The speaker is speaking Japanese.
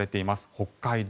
北海道